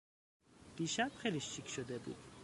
دیشب خیلی شیک شده بود.